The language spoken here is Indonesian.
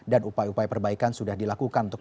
dan upaya upaya perbaikan sudah dilakukan